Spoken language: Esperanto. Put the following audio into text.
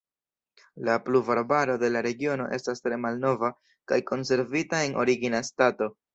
La pluvarbaro de la regiono estas tre malnova kaj konservita en origina stato.